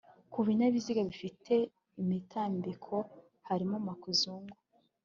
kubinyabiziga bifite imitambiko harimo makuzungu